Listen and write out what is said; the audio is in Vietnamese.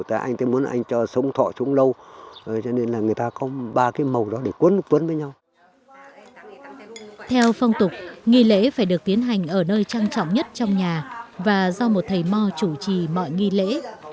theo phong tục nghi lễ phải được tiến hành ở nơi trang trọng nhất trong nhà và do một thầy mò chủ trì mọi nghi lễ